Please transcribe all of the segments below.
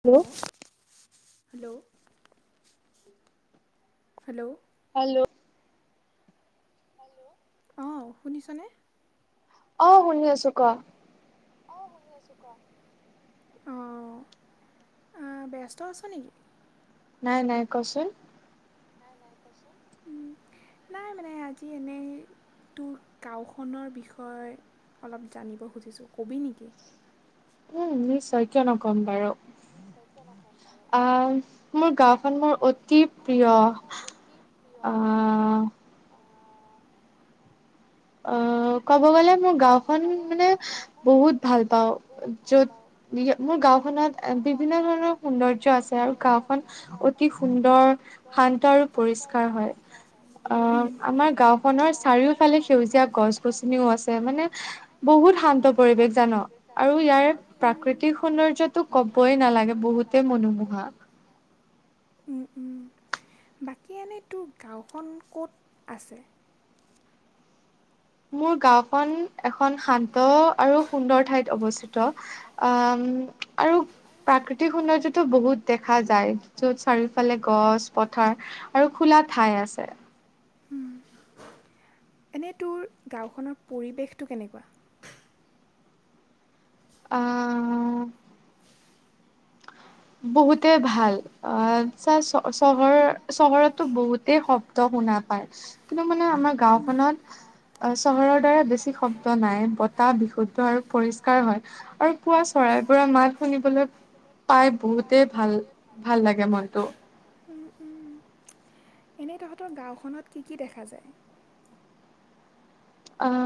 Hello, hello [inaudible] hello. Hello. Hello, অহ শুনিছনে? অহ শুনি আছো ক অহ শুনি আছো ক, অঁ। অহ ব্যস্ত আছ নেকি? [inaudible] নাই নাই কচোন নাই নাই কচোন, নাই মানে আজি এনেই তোৰ গাঁওখনৰ বিষয়ে অলপ জানিব খুজিছোঁ কবি নেকি? [inaudible] উম নিশ্চয় কিয় নক'ম বাৰু। [inaudible] অঁ মোৰ গাওঁখন মোৰ অতি প্ৰিয় [inaudible] অ ক'ব গ'লে মোৰ গাওঁখন মানে বহুত ভাল পাওঁ। য'ত মোৰ গাওঁ খনত বিভিন্ন ধৰণৰ সৌন্দৰ্য্য আছে আৰু গাওঁখন অতি সুন্দৰ শান্ত আৰু পৰিষ্কাৰ হয়। অ' আমাৰ গাঁওখনৰ চাৰিওফালে সেউজীয়া সেউজিয়া গছ-গছনি আছে মানে বহুত শান্ত পৰিৱেশ জান। আৰু ইয়াৰ প্ৰাকৃতিক সৌন্দৰ্যটো ক'বই নালাগে বহুতেই মনোমোহা। উম উম। বাকী এনে তোৰ গাওঁখন কত আছে? [unintelligible] মোৰ গাওখন এখন শান্ত আৰু সুন্দৰ ঠাইত অৱস্থিত। অম ' [inaudible] প্ৰাকৃতিক সৌন্দৰ্যতটো বহুত দেখা যায়। য'ত চাৰিওফালে গছ, পথাৰ আৰু খোলা ঠাই আছে। উম। এনে তোৰ গাওখনৰ পৰিৱেশটো কেনেকুৱা? অ'। বহুতে ভাল। অ' ছা চ চহৰ চহৰতো বহুতেই শব্দ শুনা পায়। কিন্তু মানে আমাৰ গাওখনত অ' চহৰৰ দৰে বেছি শব্দ নাই। বতাহ বিশুদ্ধ আৰু পৰিষ্কাৰ হয়। আৰু পুৱা চৰাই বোৰৰ মাত শুনিবলৈ পাই বহুতেই ভাল, ভাল লাগে মনটো। উম, উম। এনেই তহঁতৰ গাঁওখনত কি কি দেখা যায়? অ'।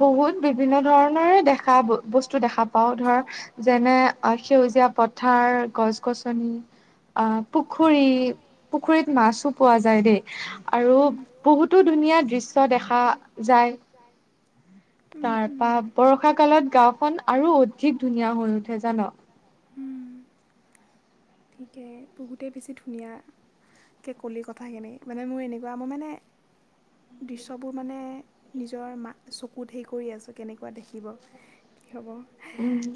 বহুত বিভিন্ন ধৰণৰে দেখা বস্তু দেখা পাও ধৰ যেনে সেউজীয়া সেউজীয়া পথাৰ, গছ-গছনি, অ' পুখুৰী। পুখুৰীত মাছো পোৱা যায়। উম। [unintelligible] তাৰপা বৰষা কালত গাঁওখন আৰু অধিক ধুনীয়া হৈ উঠে জান? উম ঠিকে বহুতেই বেছি ধুনীয়া। কে কলিৰ কথাখিনি মানে মোৰ এনেকুৱা মই মানে দৃশ্যবোৰ মানে নিজৰ মা চক ক'ত হেৰি কৰি আছোঁ কেনেকুৱা দেখিব। হ'ব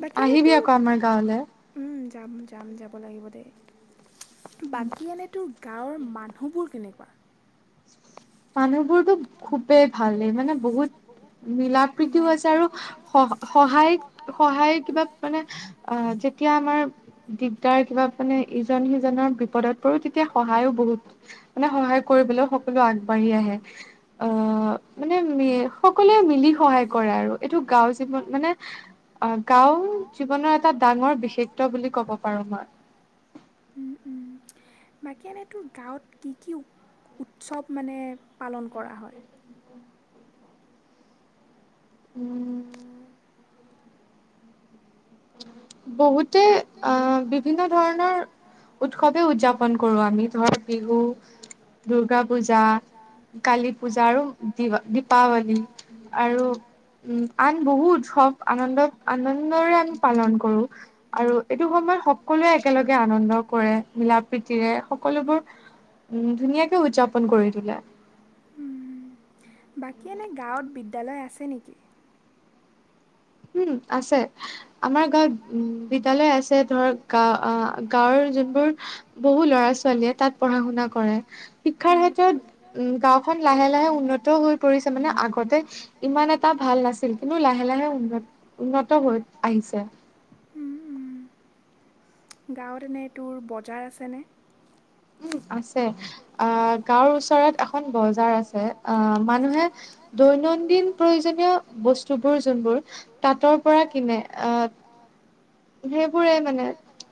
বাকিলে তোৰ উম। যাম যাম যাব লাগিব দেই বাকী এনে তোৰ গাঁৱৰ মানুহবোৰ কেনেকুৱা? মানুহবোৰতো খুবেই ভালে, মানে বহুত মিল প্ৰীতিও আছে আৰু সহায় সহায় কিবা মানে অ যেতিয়া আমাৰ দিগদাৰ কিবা মানে ইজন সিজনৰ বিপদত পৰো তেতিয়া সহায়ো বহুত মানে সহায় কৰিবলৈ বাঢ়ি আহে, অ মানে সকলোৱে মিলি সহায় কৰে আৰু এইটো গাও মানে অ গাও জীৱনৰ এটা ডাঙৰ বিশষত্ব বুলি কব পাৰো মই। উম উম বাকী এনেই তোৰ গাঁৱত কি কি উৎসৱ মানে পালন কৰা হয়? উম বহুতে অ বিভিন্ন ধৰণৰ উৎসৱে উদযাপন কৰো আমি তোমাৰ [unintelligible] দুৰ্গা পূজা, কালী পূজা আৰু দিৱা দীপাৱলী আৰু উম আন বহু উৎসৱ আনন্দ আনন্দৰে আমি পালন কৰো। আৰু এইটো সময়ত সকলোৱে একেলগে আনন্দ কৰে মিলা প্ৰীতিৰে সকলোবোৰ উম। বাকী এনে গাঁৱত বিদ্যালয় আছে নেকি? উম। আছে আমাৰ গাঁৱত উ বিদ্যালয় আছে ধৰ গা গাঁৱৰ যোনবোৰ বহু ল'ৰা ছোৱালীয়ে তাত পঢ়া শুনা কৰে শিক্ষাৰ ক্ষেত্ৰত উম গাওখন লাহে লাহে উন্নত হৈ পৰিছে মানে আগতে ইমান এটা ভাল নাছিল কিন্তু লাহে লাহে উন্নত ন হল আহইিছ গাঁৱত এনেটোোৰ বজাৰ আছেনে উম আছ গাঁৱৰ ওচৰত এখন বজাৰ আছে অ মানুহে দৈনন্দিন কিন প্ৰয়োজনীয় বস্তুবোৰ যোনবোৰ তাঁতৰ পৰা কিনে আহ উ সেইবোৰে মানে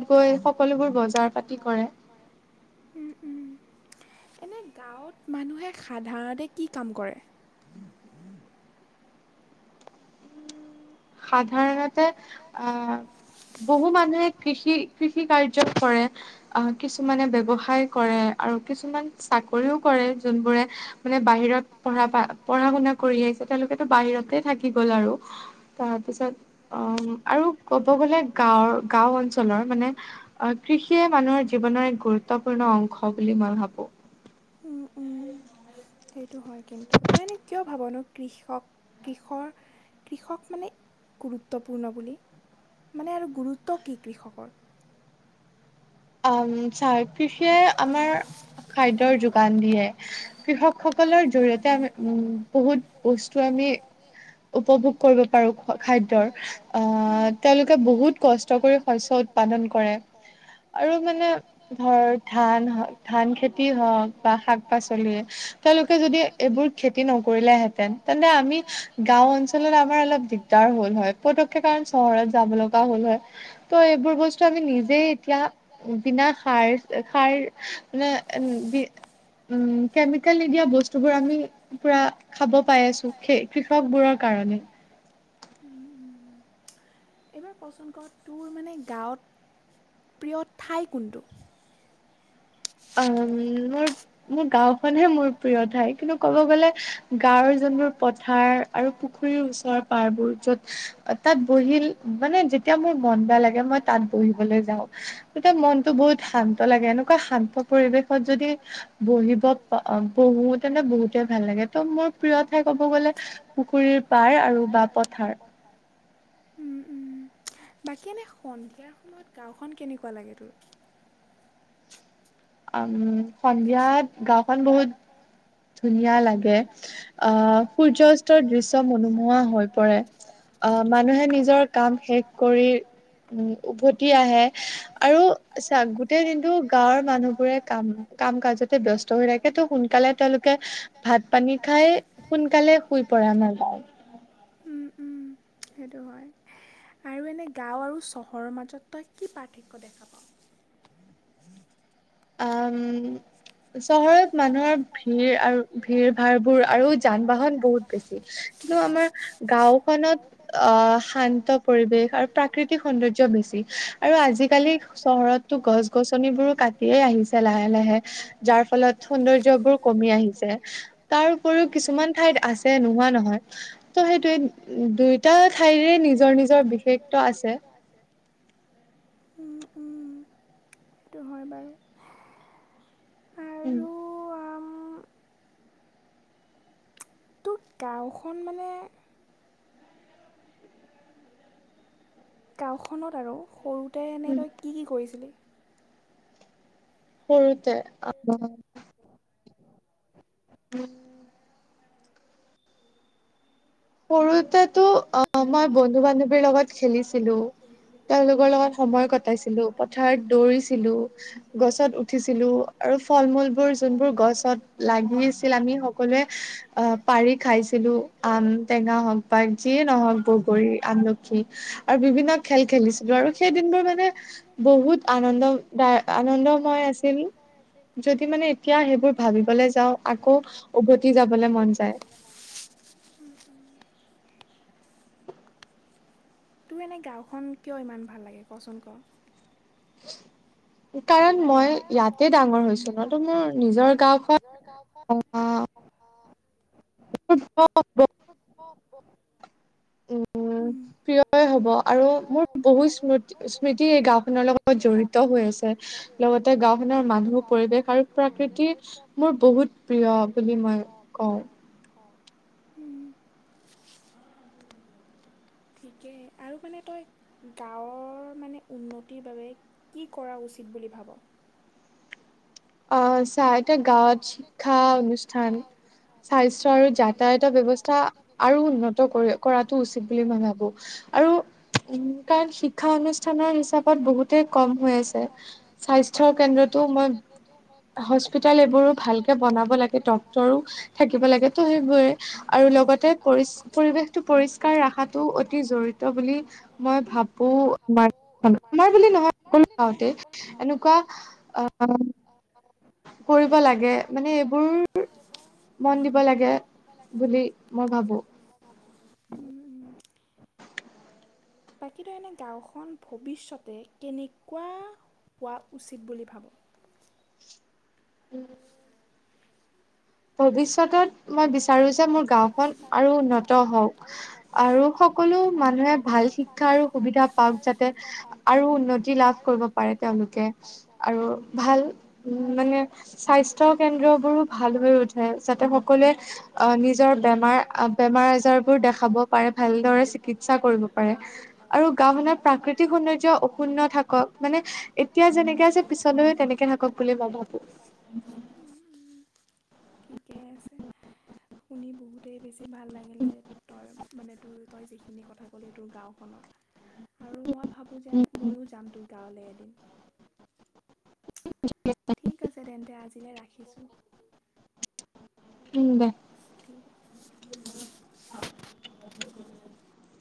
বজাৰত গৈ সকলোবোৰ বজাৰ পাতি কৰেৰে উম উম এনে গাঁৱত মানুহে সাধাৰণতে কি কাম কৰে সাধাৰণতে আ বহু মানুহে কৃষি কৃষি কাৰ্য কৰে আহ কিছুমানে ব্য্ৱসায় কৰে আৰু কিছুমান চাকৰিও কৰে যোনবোৰে মানে বাহিৰত পঢ়া পঢ়া শুনা কৰি আহিছে তেওঁলোকেতো বাহিৰতে থাকি গ'ল আৰু ত তাৰপিছত অ আৰু ক'ব গলে গাঁওৰ গাও অঞ্চলৰ মানে অ কৃষিয় মানুহৰ জীৱনৰ এক গুৰুত্বপূৰ্ণ অংশ বুলি মই ভাবো উম উম সেইটো হয় কিন্তু তই এনেই কিয় ভাবনো কৃষক কৃষৰ কৃষক মানে গুৰুত্বপূৰ্ণ বুলি মানে আৰু গুৰুত্ব কি কৃষকৰ অ চাহ কৃষিয়ে আমাৰ খাদ্যৰ যু দোকান দিয়ে কৃষক সকলৰ জৰি়তে আমি উম বহুত বস্তু আমি উপভোগ কৰিব পাৰো খাদ্যয়ৰ আহ তেওঁলোকে বহুত কষ্ট কৰি শস্ উৎপ উ উৎপালন কৰে আৰু মানে ধৰ ধান হওক ধান খেতি হওক বা শাক পাচলি তেওঁলোকে যদি এইবোৰ খেতি নকৰিলেহেঁতেন তেন্তে আমি গাও অঞ্চলত আমাৰ অলপ দিগদাৰ হল হয় পতকে কাৰণ চহৰত যাব লগা হল হয় ত' সব বস্তু আমি নিজে এতিয়া বিনা সাৰ সাৰ ম উ উম কেমিকেল নিদিয়া বস্তু বোৰ আমি পুৰা খাব পাই আছো কৃষক বোৰৰ কাৰণে মানে এইবাৰ পচন্দ কৰ তোৰ মানে গাঁৱত প্ৰিয় ঠাই কোনটো হে মোৰ প্ৰিয় ঠাই কিন্তু ক'ব গ'লে গাঁৱৰ যোনবোৰ পথাৰ আৰু পুখুৰীৰ ওচৰত পাৰ বোৰ য'ত তাত বহি মানে যেতিয়া মোৰ মন বেয়া লাগে মই তাত বহিবলৈ যাওঁ তেতিয়া মনতটো বহুত শান্ত লাগে এনেকুৱা শান্ত পৰিৱেশত যদি বহিব অ বহুতেনে বহুতে ভাল লাগে ত' মোৰ প্ৰিয় ঠাই ক'ব গলে পুখুৰীৰ পাৰ আৰু বা পথাৰ উম উম বাকী এনে সন্ধিয়াৰ সময়ত গাঁওখন কেনেকুৱা লাগে তোৰ উম উ সন্ধিয়াত গাওখন বহুত ধুনীয়া লাগে আহ সূৰ্যস্তৰ দৃশ্য মনোমোহা হৈ পৰে মানুহে নিজৰ কাম শেষ কৰি উ উভতি আহে আৰু গোটেই দিনটো গাঁৱৰ মানুহ বোৰে কাম কাম কাজতে ব্য্স্ত হৈ থাকে ত' সোনকালে তেওঁলোক ভাত পানী খাই সোনকালে শুই পৰা নালাগে সেইটো হয় আৰু এনে গাঁও আৰু চহৰৰ মাজত তই কি পাৰ্থক্য দেখা পাও উম চহৰত মানুহৰ ভিৰ আৰু ভিৰ ভাৰবোৰ আৰু যান বাহন বহুত বেছি কিন্তু আমাৰ গাওখনত অ' শান্ত পৰিৱেশ আৰু প্ৰাকৃতিক সৌন্দৰ্য বেছি। আৰু আজিকালি চহৰতটো গছ-গছনি বোৰো কাটি সয়ে আহিছে লাহে-লাহে যাৰ ফলত সৌন্দৰ্যবোৰ কমি আহিছে তাৰ উপৰিও কিছুমান ঠাইত আছে নোহোৱা নহয় ত সেইটোয়ে দুয়টা ঠাইৰে নিজৰ-নিজৰ বিশেষত আছে। [inaudible] উম, উম সেইটো হয় বাৰু। উম। তোক গাঁওখন মানে গাঁওখনত আৰু সৰুটে এনে তই কি-কি কৰিছিলি? সৰুতে অ। [unintelligible] [unintelligible] তাতে তো অ' মই বন্ধু বান্ধৱীৰ লগত খেলিছিলো তেওঁলোকৰ লগত সময় কটাইছিলো। পথাৰত দৌৰিছিলো গছত উঠিছিলোঁ আৰু ফল মূল বোৰ যোনবোৰ গছত লাগি আছিল আমি সকলোৱে অ' পাৰি খাইছিলোঁ অ' বাট যিয়ে নহওক বগৰী আমলখি আৰু বিভিন্ন খেল খেলিছিলো আৰু সেই দিনবোৰ মানে বহুত আনন্দ আনন্দময় আছিল যদি মানে এতিয়া সেইবোৰ ভাব এতিয়া সেইবোৰ ভাবিবলৈ যাও আকৌ উভতি যাবলৈ মন যাই। তোৰ এনে গাঁওখন কিয় ইমান ভাল লাগে ক চোন ক? [unintelligible] কাৰণ মই ইাতে ডাঙৰ হৈছো হয়ো মোৰ নিজৰ গাওখন পা [unintelligible] উম প্ৰিয় হ'ব আৰু মোৰ বহুত স্মৃতি স্মৃতি এই গাওখনৰ লগত জড়িত হৈ আছে। লগতে গাঁওখনৰ মানুহ পৰিৱেশ আৰু প্ৰকৃতি মোৰ বহুত প্ৰিয় বুলি মই কও, [unintelligible] ঠিকেই আৰু মানে তই গাঁৱৰ মানে উন্নতিৰ বাবে কি কৰা উচিত বুলি ভাব। অ চা এতিয়া গাঁৱত শিক্ষা অনুষ্ঠান স্বাস্থ্যয়াৰ আৰু যাতায়ত ব্যৱস্থা, আৰু উন্নত কৰি কৰাটো উচিত বুলি মই ভাবো আৰু উ কাৰণ শিক্ষা অনুষ্ঠান। হিচাপত বহুতেই কম হৈ আছে স্বাস্থ্যৰ কেন্দ্ৰতো মই, হস্পিতাল এইবোৰো ভালকে বনাব লাগে ডক্তৰো থাকিব লাগে ত সেইবোৰে আৰু লগত, লগতে পৰি পৰিৱেশ টো পৰিষ্কাৰ ৰখাতটো অতি জড়ত বুলি মই ভাবো, আমাৰ মই বুলি নহয় সকলো গাওঁতে এনেকুৱা আহ কৰিব লাগে মানে এইবোৰ মন দিব লাগে। বুলি মই ভাবোঁ। বাকী তো এনে গাঁওখন ভৱিষ্যতে কেনেকুৱা। হোৱা উচিত বুলি ভাবোঁ। উম, ভৱিষ্যতত মই বিচাৰো যে মোৰ গাওখন আৰু উন্নত হওঁক আৰু সকলো মানুহে ভাল, শিক্ষা সুবিধা পাওক যাতে আৰু উন্নতি লাভ কৰিব পাৰে তেওঁলোকে আৰু ভাল উম মানে স্বাস্থ্যয় কেন্দ্ৰ বোৰো ভাল হৈ উঠে যাতে সকলোৱে অ নিজৰ বেমাৰ বেমাৰ আজাৰ বোৰ দেখাব পাৰে ভালদৰে চিকিৎসা কৰিব পাৰে আৰু গাঁওখনৰ প্ৰাকৃতিক সৌন্দৰ্য অক্ষুন্ন থাকক মানে এতিয়া যেনেকে যে পিছলৈ তেনেকে থাকক বুলি মই ভাবো ঠিকেই আছে শুনি বহুত গোটেই বেছি ভাল লাগিলে তই মানে তোৰ তই যিখিনি কথা ক'লি তোৰ গাঁওখনৰ আৰু মই ভাবোঁ যে ময়ো যাম তোৰ গাঁৱলে এদিন ঠিক আছে তেন্তে আজিলে ৰাখিছোঁ উম ঠিক আ